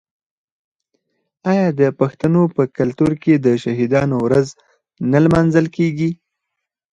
آیا د پښتنو په کلتور کې د شهیدانو ورځ نه لمانځل کیږي؟